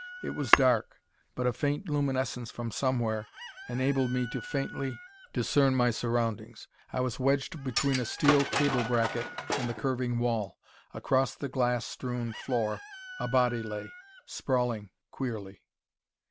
It was dark, but a faint luminescence from somewhere enabled me to faintly discern my surroundings. I was wedged between a steel cable bracket and the curving wall. Across the glass strewn floor a body lay, sprawling queerly.